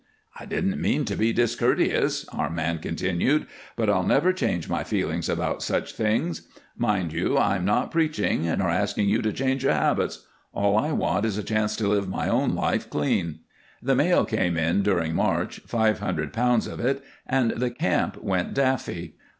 "I didn't mean to be discourteous," our man continued, "but I'll never change my feelings about such things. Mind you, I'm not preaching, nor asking you to change your habits all I want is a chance to live my own life clean." The mail came in during March, five hundred pounds of it, and the camp went daffy.